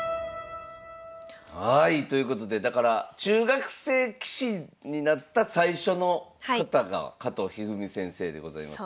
はいということでだから中学生棋士になった最初の方が加藤一二三先生でございます。